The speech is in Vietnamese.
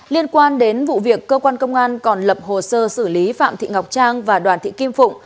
liên quan đến vụ việc cơ quan công an còn lập hồ sơ xử lý phạm thị ngọc trang và đoàn thị kim phụng